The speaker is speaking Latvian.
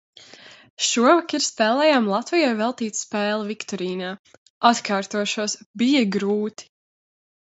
Šovakar spēlējām Latvijai veltītu spēli Viktorīnā. Atkārtošos – bija grūti.